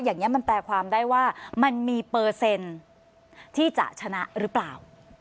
อย่างนี้มันแปลความได้ว่ามันมีเปอร์เซ็นต์ที่จะชนะหรือเปล่า